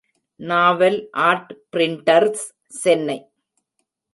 novel Art Printers, Chennai